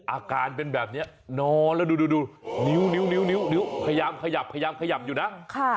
อาการเป็นแบบนี้นอนแล้วดูนิ้วพยายามขยับอยู่นะ